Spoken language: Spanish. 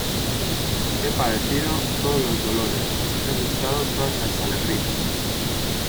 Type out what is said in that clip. he padecido todos los dolores, he gustado todas las alegrías: